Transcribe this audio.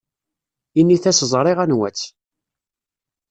Init-as ẓriɣ anwa-tt.